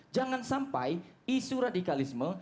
jangan sampai isu radikalisme